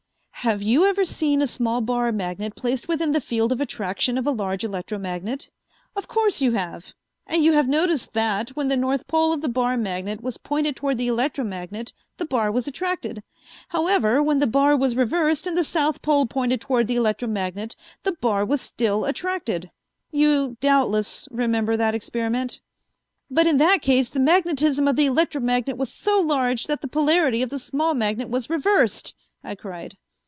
Have you ever seen a small bar magnet placed within the field of attraction of a large electromagnet? Of course you have, and you have noticed that, when the north pole of the bar magnet was pointed toward the electromagnet, the bar was attracted. However, when the bar was reversed and the south pole pointed toward the electromagnet, the bar was still attracted. You doubtless remember that experiment." "But in that case the magnetism of the electromagnet was so large that the polarity of the small magnet was reversed!" I cried.